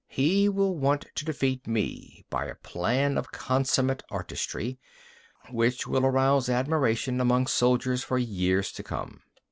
He will want to defeat me by a plan of consummate artistry, which will arouse admiration among soldiers for years to come."